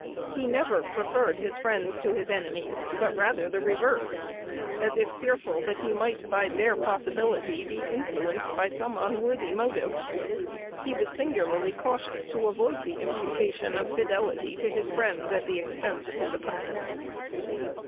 He never preferred his friends to his enemies, but rather the reverse, as if fearful that he might by bare possibility be influenced by some unworthy motive. He was singularly cautious to avoid the imputation of fidelity to his friends at the expense of his opponents.